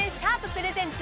プレゼンツ